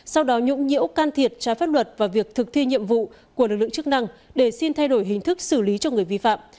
sau đó nhũng nhiễu can thiệt trái pháp luật và việc thực thi nhiệm vụ của lực lượng chức năng để xin thay đổi hình thức xử lý cho người vi phạm